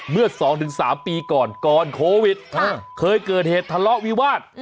เมื่อ๒๓ปีก่อนก่อนโควิดเคยเกิดเหตุทะเลาะวิวาส